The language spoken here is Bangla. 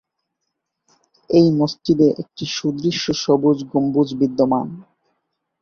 এই মসজিদে একটি সুদৃশ্য সবুজ গম্বুজ বিদ্যমান।